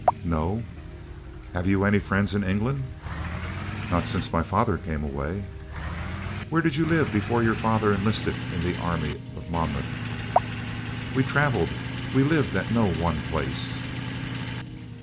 "No." "Have you any friends in England?" "None, since my father came away." "Where did you live before your father enlisted in the army of Monmouth?" "We travelled; we lived at no one place."